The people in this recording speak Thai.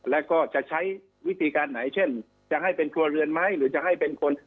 แล้วก็จะใช้วิธีการไหนเช่นจะให้เป็นครัวเรือนไหมหรือจะให้เป็นคน